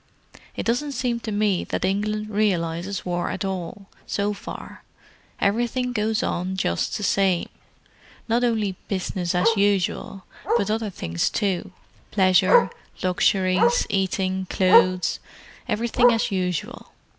It doesn't seem to me that England realizes war at all, so far; everything goes on just the same—not only 'business as usual,' but other things too: pleasure, luxuries, eating, clothes; everything as usual.